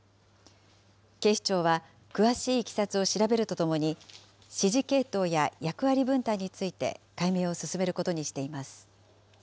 警視庁は詳しいいきさつを調べるとともに、指示系統や役割分担について解明を進めることにしています。